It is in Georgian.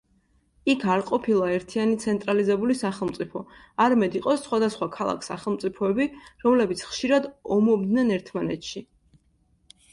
იქ არ ყოფილა ერთიანი ცენტრალიზებული სახელმწიფო, არამედ იყო სხვადასხვა ქალაქ-სახელმწიფოები, რომლებიც ხშირად ომობდნენ ერთმანეთში.